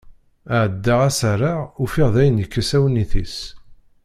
Ɛeddaɣ ad s-rreɣ, ufiɣ dayen yekkes awennit-is.